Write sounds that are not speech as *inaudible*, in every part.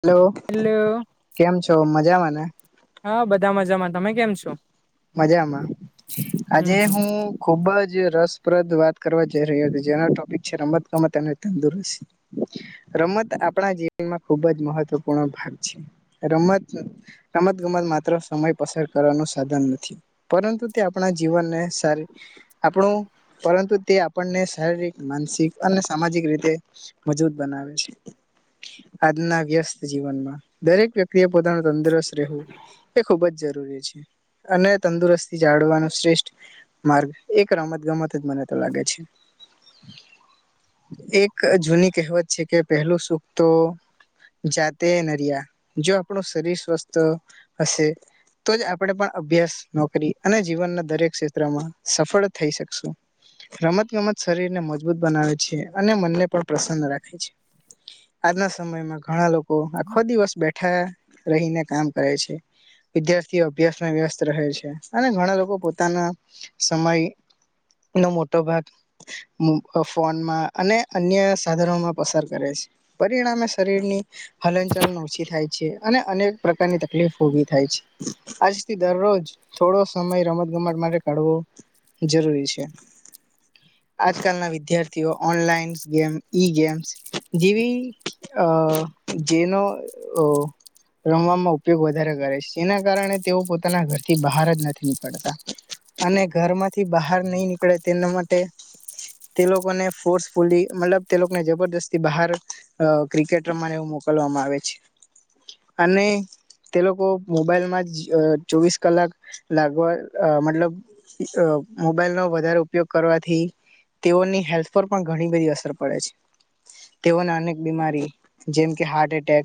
Hello hello કેમ છો મજામાં ને. હા બધા મજામાં તમે કેમ છો. મજામાં હમ આજે હમ હું ખુબ જ રસપ્રદ વાત કરવા જઈ રહ્યો હતી જેના ટોપિક છે રમત ગમત અને તંદુરસ્ત. રમત આપણા જીવનમાં ખુબ જ મહત્વપૂર્ણ ભાગ છે. રમત રમત ગમત માત્ર સમય પસાર કરવાનું સાધન નથી. થી પરંતુ તે આપણા જીવનને સારી આપણું પરંતુ તે આપણને શારીરિક માનસિક અને સામાજિક રીતે મજબૂત બનાવે છે. આજના વ્યસ્ત જીવનમાં દરેક વ્યક્તિ એ પોતાનું તંદુરસ્ત રહેવું એ ખુબ જ જરૂરી છે અને તંદુરસ્તી જાળવાનું શ્રેષ્ઠ માર્ગ એક રમત ગમત જ મને તો લાગે છે. એક જૂની કહેવત છે કે પહેલું સુખ તો જાતે નરિયા જો આપણું શરીર સ્વસ્થ હશે તો જ આપણે પણ અભ્યાસ નોકરી અને જીવનના દરેક ક્ષેત્રમાં સફળ થઈ શકશું. રમત ગમત શરીરને મજબૂત બનાવે છે અને મનને પણ પ્રસન્ન રાખે છે. આજના સમયમાં ઘણા લોક કો આખો દિવસ બેઠા રહીને કામ કરે છે વિદ્યાર્થીઓ અભ્યાસ ત્યાં વ્યસ્ત રહે છે અને ઘણા લોકો પોતાના સમયે નો મોટો ભાગ મો ફોનમાં અને અન્ય સાધનોમાં પસાર કરે છે. પરિણામે શરીરની હલનચલન ઓછી થાય છે અને અનેક પ્રકારની તકલીફ ઊભી થાય છે આજ થી દરરોજ થોડો સમય રમતગમત માટે કાઢવો જરૂરી છે. આજકાલના વિદ્યાર્થીઓ ઓનલાઈન ગેમ ઈ-ગેમ્સ જેવી આ જેનો આ રમવામાં ઉપયોગ વધારે કરે છે જેના કારણે તેઓ પોતાના ઘરથી બહાર જ નથી નીકળતા. અને ઘરમાંથી બહાર નહીં નીકળે તેના માટે તે લોકોને ફોર્સફુલી મતલબ તે લોકોને જબરજસ્તી બહાર આ ક્રિકેટ રમવા અને એવું મોકલવામાં આવે છે. અને તે લોકો મોબાઈલમાં જ આ ચોવીસ કલાક લાગવા આ મતલબ આ મોબાઈલનો વધારે ઉપયોગ કરવાથી તેઓની હેલ્થ પર પણ ઘણી બધી અસર પડે છે તેઓને અનેક બીમારી જેમ કે હાર્ટ એટેક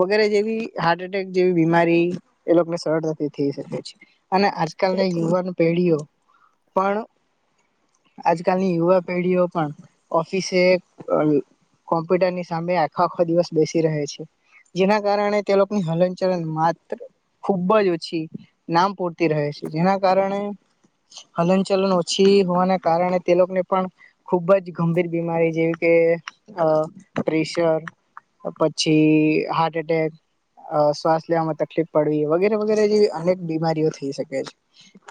વગેરે જેવી હાર્ટ અટેક જેવી બીમારી એ લોકોને સરળતાથી થઈ શકે છે અને આજકાલ યુવાન પેઢીઓ પણ આજકાલની યુવા પેઢીઓ પણ ઓફિસે આ કોમ્પ્યુટરની સામે આખો આખો દિવસ બેસી રહે છે. જેના કારણે તે લોકોની હલનચલન માત્ર ખૂબ જ ઓછી નામ પૂરતી રહે છે જેના કારણે હલનચલન ઓછી હોવાના કારણે તે લોકોને પણ ખૂબ જ ગંભીર બીમારીઓ જેવી કે પ્રેશર, પછી હાર્ટ એટેક, અ શ્વાસ લેવામાં તકલીફ પડે વગેરે વગેરે જેવી અનેક બીમારીઓ થઈ શકે છે,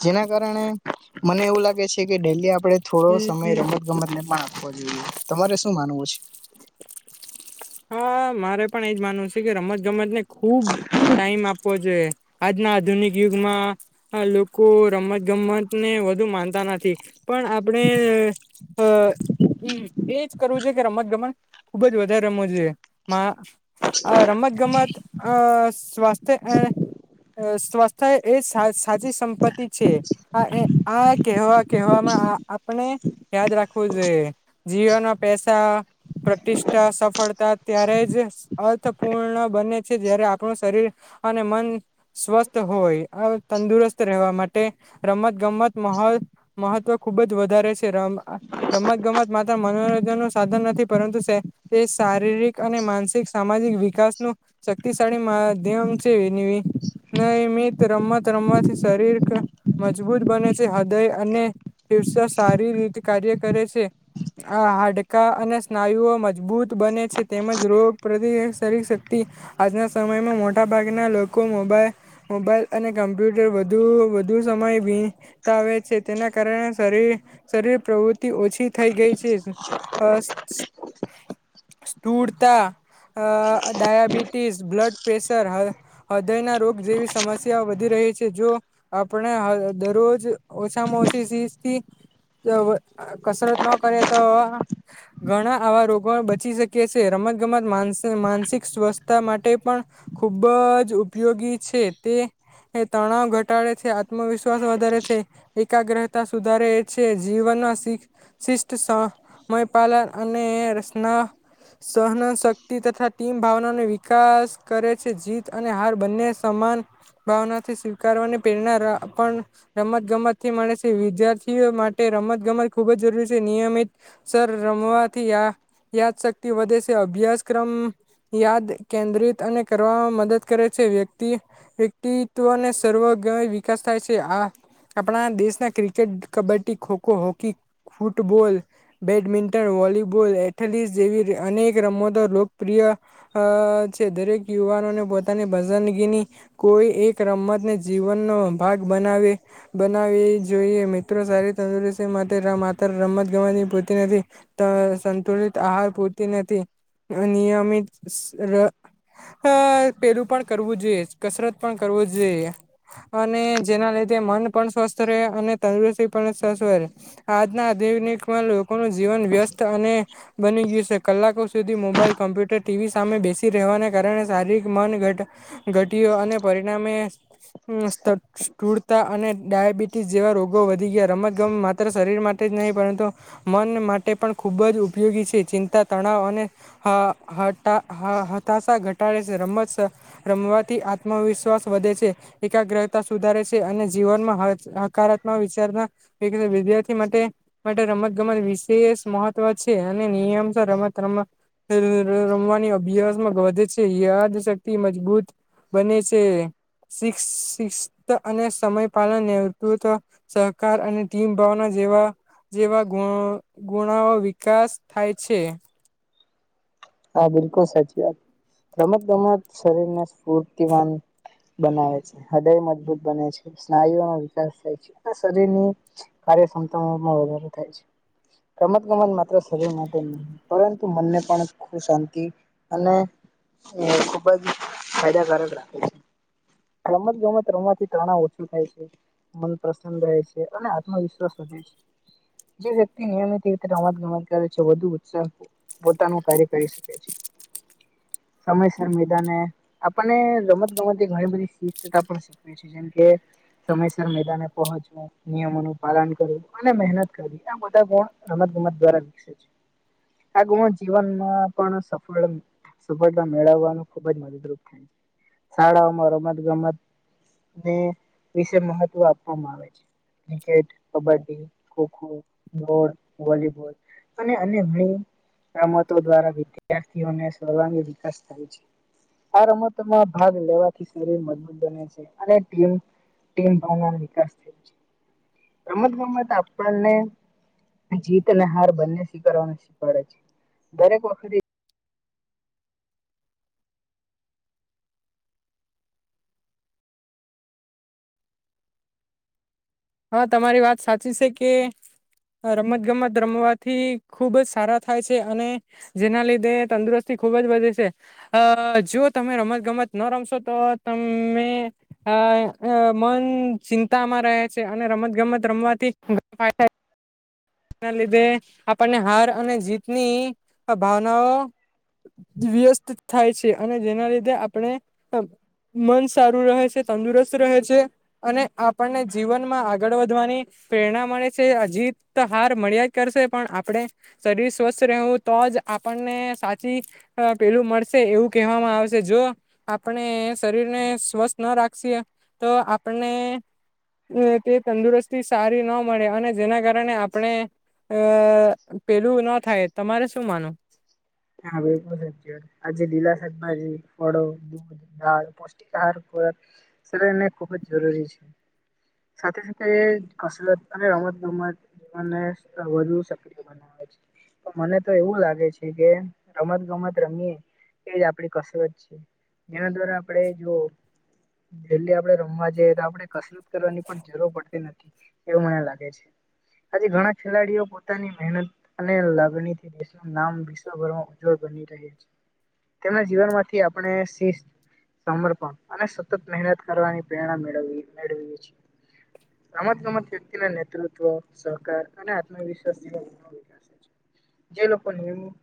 જેના કારણે મને એવું લાગે છે કે ડેઇલી આપણે થોડો સમય રમતગમતને પણ આપવો જોઈએ. તમારે શું માનવું છે? હા, મારે પણ એ જ માનવું છે કે રમતગમતને ખૂબ સમય આપવો જોઈએ. આજના આધુનિક યુગમાં આ લોકો રમતગમતને વધુ માનતા નથી, પણ આપડે. *inaudible* હમ્મ એજ કરવું છે કે રમતગમત ખૂબ જ વધારે રમવું જોઈએ. માં રમતગમત. અ સ્વાસ્થ્ય સ્વાસ્થ્ય એ સા સાચી સંપત્તિ છે. આ એ કહેવા કહેવામાં આ આપણે. યાદ રાખવું જોઈએ. જીવનમાં પૈસા, પ્રતિષ્ઠા, ફળતા ત્યારે જ અર્થપૂર્ણ બને છે, જ્યારે આપણું શરીર અને મન સ્વસ્થ હોય. તંદુરસ્ત. તંદુરસ્ત રહેવા માટે રમતગમત મહત્વ ખૂબ જ વધારે છે. રમ રમતગમત માત્ર મનોરંજનનું સાધન નથી, પરંતુ સેતીશ શારીરિક અને માનસિક, સામાજિક વિકાસનું શક્તિશાળી માધ્યમ છે એવી. નિયમિત રમત રમવાથી શરીર મજબૂત બને છે. હૃદય અને ફેફસા સારી રીતે કાર્ય કરે છે. આ હાડકાં અને સ્નાયુઓ મજબૂત બને છે તેમજ રોગપ્રતિ શરીર શક્તિ આજના સમયમાં મોટા ભાગના લોકો મોબાઈલ મોબાઈલ અને કમ્પ્યુટર વધુ વધુ સમય વી વિતાવે છે, તેના કારણે શરીર શરીર પ્રવૃત્તિ ઓછી થઈ ગઈ છે. અસ્ત સ્થૂળતા, અ ડાયાબિટીસ, બ્લડ પ્રેશર આવે હૃદય ના રોગ જેવી સમસ્યા વધી રહી છે જો આપણે આ દરરોજ ઓછામાં ઓછી સીઝથી. કસરત ન કરે તો ઘણા આવા રોગો બ ચી શકે છે. રમત ગમત માન માનસિક સ્વસ્થતા માટે પણ ખુબ જ ઉપયોગી છે. તે એ તણાવ ઘટાડે છે, આત્મવિશ્વાસ વધારે છે. એકાગ્રતા સુધારે છે. જીવનમાં શી શિષ્ટ સમયપલન અને સહન શક્તિ તથા ટીમ ભાવનાનો વિકાસ કરે છે. જીત અને હાર બંને સમાન ભાવનાથી સ્વીકારવાની પ્રેરણા પણ રમત ગમત થી મળે છે. વિદ્યાર્થીઓ માટે રમત-ગમત ખૂબ જ જરૂરી છે. નિયમિત સર રમવાથી યા યાદશક્તિ વધે છે. અભ્યાસક્રમ યાદ કેન્દ્રિત અને કરવામાં મદદ કરે છે. વ્યક્તિએ વ્યક્તિત્વને સર્વગ વિકાસ થાય છે. આ આપણા દેશના ક્રી cricket, kabaddi, kho kho, hockey, football, badminton volleyball, athlete જેવી અનેક રમતો લોકપ્રિય અ છે. દરેક યુવાનોને પોતાની પસંદગીની કોઈ એક રમતને જીવનનો ભાગ બનાવે. બનાવી જોઈએ મિત્રો સારી તંદુરસ્તી માટે માત્ર રમત ગમતની પૂરતી નથી. સંતુલિત આહાર પૂરતી નથી, નિયમિત હા પેલું પણ કરવું જોઈએ. કસરત પણ કરવું જોઈએ. અને જેના લીધે મન પણ સ્વસ્થ રહે, અને તંદુરસ્તી પણ સ્વસ્થ રહે. આજના આ દનિકમાં લોકોનું જીવન વ્યસ્ત અને બની ગયું છે. કલાકો સુધી મોબાઈલ કોમ્પ્યુટર, ટીવી સામે બેસી રહેવાના કારણે શારીરિક મન ઘટ ઘટ્યો અને પરિણામે ટૂળતા અને ડાયાબિટીસ જેવા રોગો વધી ગયા. રમતગમત માત્ર શરીર માટે જ નહીં પરંતુ મન માટે પણ ખૂબ જ ઉપયોગી છે ચિંતા, તણાવ અને હા હ હતા હ હતાશા ઘટાડ છે. રમત રમવાથી આત્મવિશ્વાસ વધે છે. એકાગ્રતા સુધારે છે અને જીવનમાં હકારાત્મક વિચારના વિદ્યાર્થી માટે માટે રમત ગમત વિશેષ મહત્વ છે, અને નિયમ તો રમત રમ રમવાની અભ્યાસમાં વધે છે. યાદ શક્તિ મજબૂત બને છે શિક શિક્ષ અને સમય પાલન નેતૃત્ સહકાર અને ટીમ ભાવના જેવા જેવા ગ ગુણાઓ. વિકાસ થાય છે. હા બિલકુલ સાચી વાત રમત ગમત શરીર ને સ્ફૂર્તિ વાન બનાવે છે. હૃદય મજબૂત બને છે, સ્નાયુઓનો વિકાસ થાય છે. આ શરીરની કાર્યક્ષમતામાં વધારો થાય છે. ગમત ગમત માત્ર શરીર માટે ન પરંતુ મનને પણ ખુ શાંતિ અને ખુબ જ ફાયદાકારક રાખે છે. રમત ગમત રમવા થી તણાવ ઓછું થાય છે. મન પ્રસન્ન રહે છે, અને આત્મવિશ્વાસ વધે છે. જે વ્યક્તિ નિયમિતતે રમત ગમત કરે છે વધુ ઉત્સાહ પોતાનું કાર્ય કરી શકે છે. સમયસર મેદાને આપણને રમત ગમત ઘણી બધી તા પણ શીખવે છે, જેમ કે સમયસર મેદાને પહોંચવ નિયમો ન પાલન કરવું અને મહેનત કરવી. આ બધા ગુણ રમત ગમત દ્વારા વિકસે છે. આ ગુણો જીવનમાં પણ સફળ સફળતા મેળવવાનું ખુબજ મદદરૂપ થાય છે. શાળાઓમાં રમત ગમતને વિશે મહત્વ આપવામાં આવે છે. ક્રિકેટ કબ્ડી ખોખો દોડ વોલીબોલ ઘણી રમતો દ્વારા વિદ્યાર્થીઓને સર્વાંગી વિકાસ થાય છે. આ રમતમાં ભાગ લેવાથી મબૂત બને છે. રમત ગમત આપણને જીત અને હાર બંને સ્વીકારારવાને શીખવાડે છે, દરેક વખત હા તમારી વાત સાચી છે કે રમત ગમત રમવાથી ખુબ જ સારા થાય છે, અને જેના લીધે તંદુરસ્તી ખુબ જ વધે છે. અ જો તમે રમત ગમત ન રમશો તો તમે અ મન ચિંતા માં રહે છે અને રમત ગમત રમવાથી ફાા ના લીધે આપણને હાર અને જીતની ભાવનાઓ વ્યસ્ત થાય છે, અને જેના લીધે આપણે મન સારું રહે છે તંદુરસ્ત રહે છે. અને આપણને જીવનમાં આગળ વધવાની પ્રેરણા મળે છે અજીત તો હાર મળ્યા જ કરશે પણ આપણે શરીર સ્વસ્થ રહેવું તો જ આપણને સાચી પેલું મળશે એવું કહેવામાં આવશે જો આપણે શરીર ને સ્વસ્થ ના રાખશ તો આપને તે તંદુરસ્તી સારી ન મળે અને જેના કારણે આપણે અ પેલું ન થાય તમારે શું માનુ હા બલકુલ સાહેબ આ લલા સાહેબમાંડો આહાર પૌષ્ટિક આહાર શરીર ને ખુબ જ જરૂરી છે. સાથે સાથે કસરત અને રમત ગમત જીવનને વધુ સક્રિય બનાવે છે પણ મને તો એવું લાગે છે. કે રમત ગમત રમીએ એજ આપડી કસરત છે. એના દ્વારા આપડે જો. ડેલી આપડે રમવા જઈએ તો આપડણે કસરત કરવાની પણ જરૂર પડતી નથી એવું મને લાગે છે. આજ ઘણા ખેલાડીઓ પોતાની મહેનત અને લાગણી થી દેશનું નામ તેમના જીવન માંથી આપણે સિસ્થ. સમર્પણ અને સતત મહેનત કરવાની પ્રેરણા મેળવી મેળવીએ છીએ. રમત ગમત વ્યક્તિના નેતૃત્વ સહકાર અને આત્મવિશ્વાસ જેવા. છે. જે લોકોને એવું.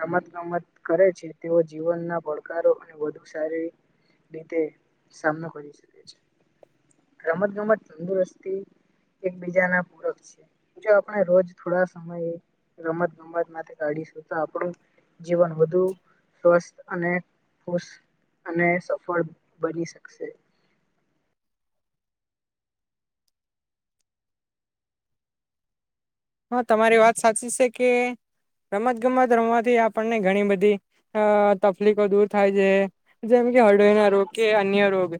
રમત ગમત કરે છે તેઓ જીવનના પડકારો અને વધુ શારીરિક રીતે સામનો કરી શકે છે. રમત ગમત તંદુરસ્તી એકબીજા ના પૂરક છે. જો આપણે રોજ થોડા સમય રમત ગમત માટે કાઢિશતા આપણું જીવન વધુ સ્વસ્થ અને ખુશ અને સફળ બની શકશે. હા તમારી વાત સાચી છે કે રમત ગમત રમવાથી આપણને ઘણી બધી અ તકલીફો દૂર થાય છે જેમ કે હળડોઈ ના રોગ કે અન્ય રોગ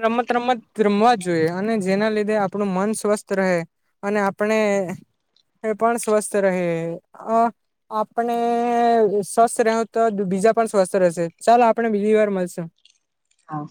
રમત રમત રમવા જોઈએ અને જેના લીધે આપણું મન સ્વસ્થ રહે. અને આપણે એ પણ સ્વસ્થ રહે અ. આપણે સ્વસ્થ રહવુ તો બીજા પણ સ્વસ્થ રહેશે ચાલો આપણે બીજી વાર મલશુ. હા.